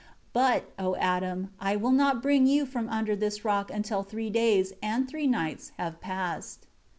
But, O Adam, I will not bring you from under this rock until three days and three nights have passed."